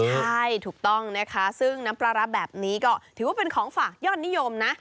ใช่ถูกต้องนะคะซึ่งน้ำปลาร้าแบบนี้ก็ถือว่าเป็นของฝากยอดนิยมนะ